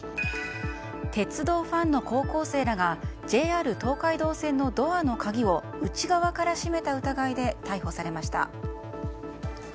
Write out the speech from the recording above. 鉄道ファンの高校生らがＪＲ東海道線のドアの鍵を内側から閉めた疑いで逮捕されました。